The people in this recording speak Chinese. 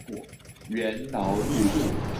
物业管理公司为伟邦物业管理有限公司。